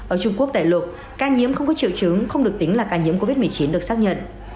ở trung quốc đại lục ca nhiễm không có triệu chứng không được tính là ca nhiễm covid một mươi chín được xác nhận